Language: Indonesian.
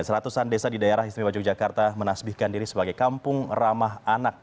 seratusan desa di daerah istimewa yogyakarta menasbihkan diri sebagai kampung ramah anak